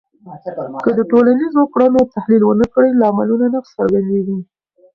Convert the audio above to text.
که د ټولنیزو کړنو تحلیل ونه کړې، لاملونه نه څرګندېږي.